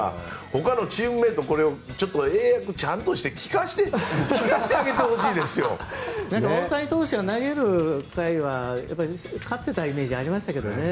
ほかのチームメートこれ英訳ちゃんとして大谷投手が投げる回は勝ってたイメージがありましたけどね。